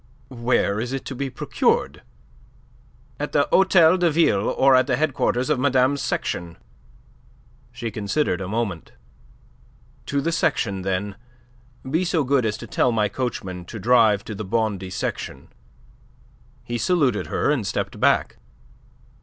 "Where is it to be procured?" "At the Hotel de Ville or at the headquarters of madame's section." She considered a moment. "To the section, then. Be so good as to tell my coachman to drive to the Bondy Section." He saluted her and stepped back.